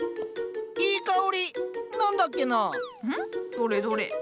どれどれ。